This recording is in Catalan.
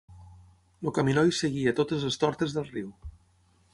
El caminoi seguia totes les tortes del riu.